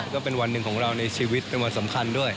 ก็เป็นวันหนึ่งของเราในชีวิตเป็นวันสำคัญด้วย